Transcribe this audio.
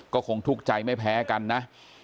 ก็คงทุกข์ใจไม่แพ้กันนะ